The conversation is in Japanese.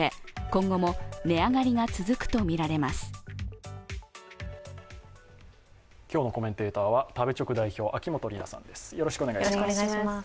今日のコメンテーターは食べチョク代表、秋元里奈さんです。